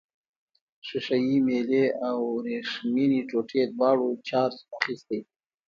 ښيښه یي میلې او وریښمينې ټوټې دواړو چارج اخیستی.